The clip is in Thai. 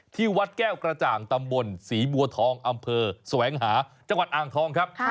ที่วัดแก้วกระจ่างตำบลศรีบัวทองอำเภอแสวงหาจังหวัดอ่างทองครับ